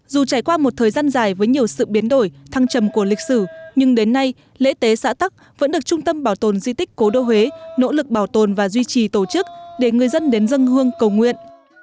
dù trải qua một thời gian dài với nhiều sự biến đổi thăng trầm của lịch sử nhưng đến nay lễ tế xã tắc vẫn được trung tâm bảo tồn di tích cố đô huế nỗ lực bảo tồn và duy trì tổ chức để người dân đến dân hương cầu nguyện